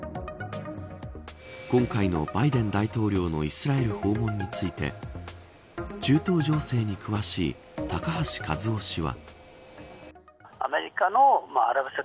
今回のバイデン大統領のイスラエル訪問について中東情勢に詳しい高橋和夫氏は。